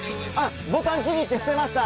ボタンちぎって捨てました。